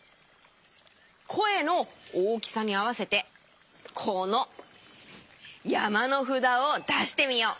こえの大きさにあわせてこのやまのふだをだしてみよう。